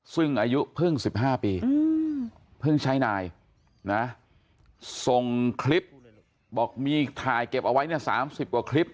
ซึ่งอายุเพิ่ง๑๕ปีเพิ่งใช้นายนะส่งคลิปบอกมีถ่ายเก็บเอาไว้เนี่ย๓๐กว่าคลิป